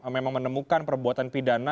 memang menemukan perbuatan pidana